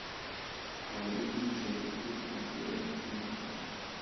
Ha origini cherokee native americane.